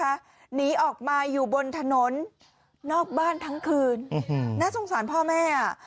หนีออกมาอยู่บนถนนนอกบ้านทั้งคืนน่าสงสารพ่อแม่อ่ะ